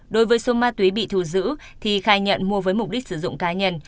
đối với số ma túy bị thu giữ thi khai nhận mua với mục đích sử dụng cá nhân